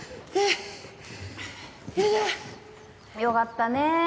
よかったね